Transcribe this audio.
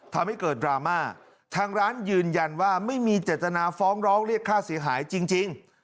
ทำให้เกิดดราม่าทางร้านยืนยันว่าไม่มีเจตนาฟ้องร้องเรียกค่าเสียหายจริง